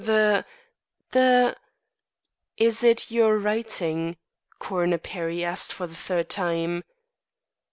The the "Is it your writing?" Coroner Perry asked for the third time.